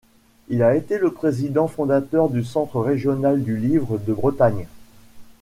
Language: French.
Il a été le président fondateur du Centre régional du livre de Bretagne.